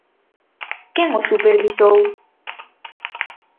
¿Quen o supervisou?